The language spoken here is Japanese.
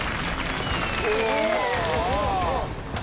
お！